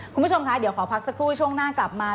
คุณผู้ชมคะเดี๋ยวขอพักสักครู่ช่วงหน้ากลับมา